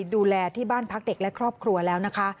ดูแลที่บ้านพักเด็กและครอบครัวแล้วนะคะ